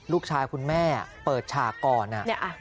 ลูกชายคุณแม่เปิดฉากก่อน